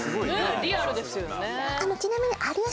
リアルですよね